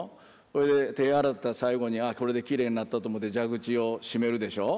それで手洗った最後にこれできれいになったと思って蛇口を締めるでしょ。